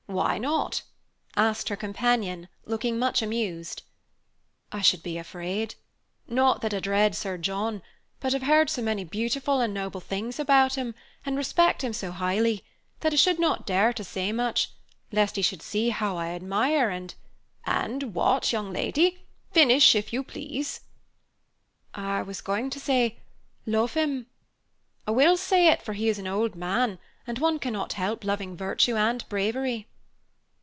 "Why not?" asked her companion, looking much amused. "I should be afraid. Not that I dread Sir John; but I've heard so many beautiful and noble things about him, and respect him so highly, that I should not dare to say much, lest he should see how I admire and " "And what, young lady? Finish, if you please." "I was going to say, love him. I will say it, for he is an old man, and one cannot help loving virtue and bravery."